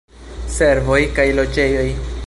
Servoj kaj loĝejoj.